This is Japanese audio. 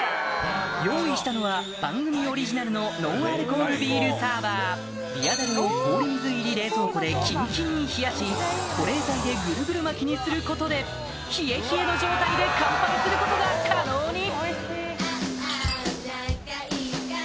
用意したのは番組オリジナルのビヤ樽を氷水入り冷蔵庫でキンキンに冷やし保冷剤でぐるぐる巻きにすることで冷え冷えの状態で乾杯することが可能に！